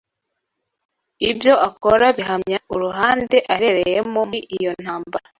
ibyo akora bihamya uruhande ahereramo muri iyo ntambara.